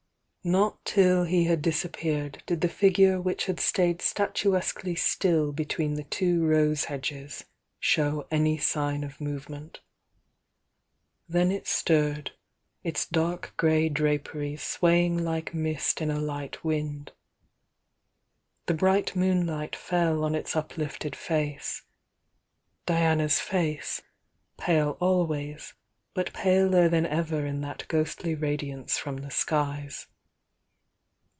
Not till he had disappeared did the figure which had stayed statuesquely still between the two rose hedges show any sifcn of movement. Then it stirred, its dark grey draperies swaying like mist in a light wind. The bright moonlight fell on its uplifted face, — Diana's face, pale always, but paler than ever in that ghostly radiance from the skies.